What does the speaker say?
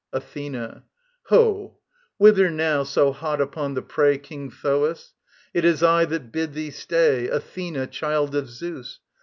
] ATHENA. Ho, whither now, so hot upon the prey, King Thoas? It is I that bid thee stay, Athena, child of Zeus.